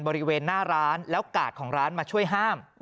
บริเวณหน้าร้านแล้วกาดของร้านมาช่วยห้าม